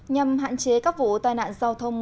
nhằm hạn chế các vụ tai nạn giao thông